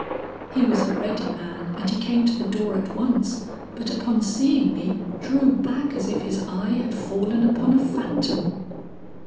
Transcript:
He was a ready man and he came to the door at once, but upon seeing me, drew back as if his eye had fallen upon a phantom.